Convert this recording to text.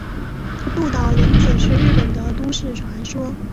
鹿岛零子是日本的都市传说。